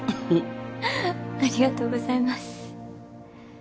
ありがとうございます